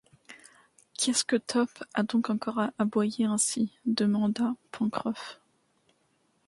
Qu’est-ce que Top a donc encore à aboyer ainsi? demanda Pencroff.